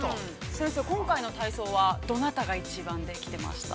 ◆先生、今回の体操はどなたが一番できてましたか？